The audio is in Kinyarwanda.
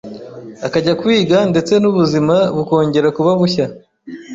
akajya kwiga ndetse n’ubuzima bukongera kuba bushya.”